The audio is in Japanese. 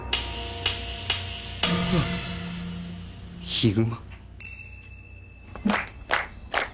「ヒグマ」？